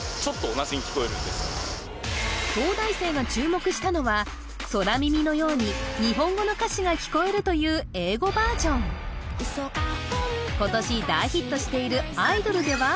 東大生が注目したのは空耳のように日本語の歌詞が聞こえるという英語バージョン今年大ヒットしている「アイドル」では？